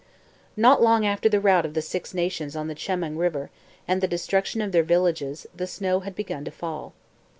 Not long after the rout of the Six Nations on the Chemung river and the destruction of their villages the snow had begun to fall.